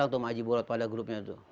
atau sama aji borot pada grupnya itu